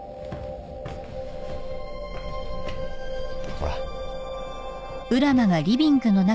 ほら。